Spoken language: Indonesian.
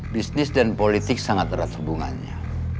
bisnis dan politik sangat erat hubungannya